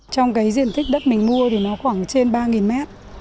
trong cái diện tích đất mình mua thì nó khoảng trên ba mét